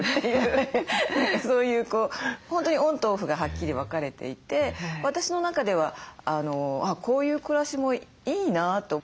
何かそういうこう本当にオンとオフがはっきり分かれていて私の中ではこういう暮らしもいいなと。